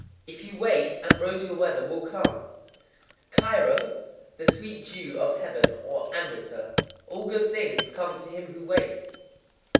_ If you wait, ambrosial weather will come. Kanrō, the sweet dew of Heaven, or amrita. All good things come to him who waits.